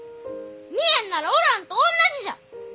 見えんならおらんとおんなじじゃ！